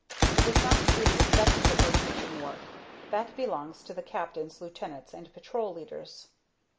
It does not do the executive or teaching work that belongs to the Captains, Lieutenants and Patrol Leaders.